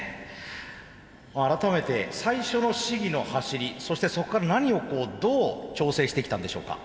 改めて最初の試技の走りそしてそこから何をどう調整してきたんでしょうか？